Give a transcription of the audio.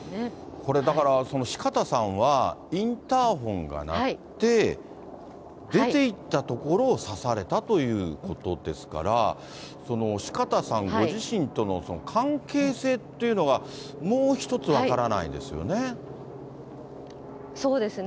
これ、だから、四方さんはインターホンが鳴って、出ていったところ、刺されたということですから、四方さんご自身との関係性っていうのが、もう一つ分からないですよね。